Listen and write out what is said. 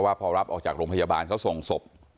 ความผิดพลาดที่เกิดขึ้นทางโรงพยาบาลได้ขอโทษทางญาติของผู้เสียชีวิต